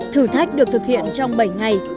thử thách được thực hiện trong bảy ngày